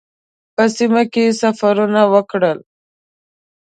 په سیمه کې سفرونه وکړل.